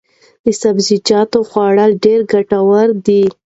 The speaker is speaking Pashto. د سبزیجاتو خوړل ډېر ګټور دي.